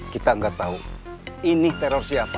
kita gak tau ini teror siapa